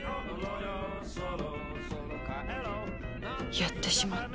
やってしまった。